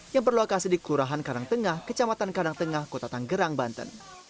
yang berlokasi di kelurahan karangtengah kecamatan karangtengah kota tanggerang banten